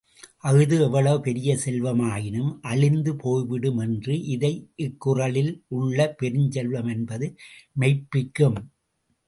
அஃது எவ்வளவு பெரிய செல்வமாயினும் அழிந்து போய்விடும் என்று.இதை இக்குறளில் உள்ள பெருஞ்செல்வம் என்பது மெய்ப்பிக்கும்.